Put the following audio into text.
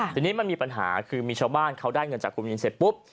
ทีนี้มันมีปัญหาคือมีชาวบ้านเขาได้เงินจากคุณวินเสร็จปุ๊บ